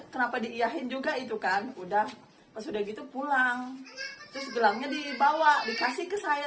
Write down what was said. kenapa diiyahin juga itu kan udah sudah gitu pulang terus gelangnya dibawa dikasih ke saya